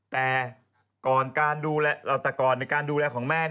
แต่รัฐกรณ์ในการดูแลของแม่